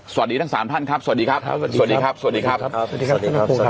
สวัสดีทั้งสามท่านครับสวัสดีครับสวัสดีครับสวัสดีครับสวัสดีครับ